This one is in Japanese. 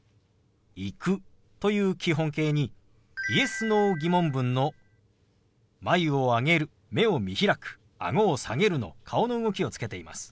「行く」という基本形にＹｅｓ−Ｎｏ疑問文の眉を上げる目を見開くあごを下げるの顔の動きをつけています。